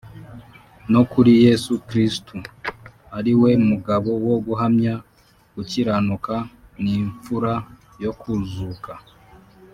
no kuri Yesu Kristo, ari we mugabo wo guhamya ukiranuka n’imfura yo kuzuka,